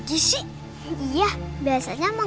biar gigi jendela gt jantung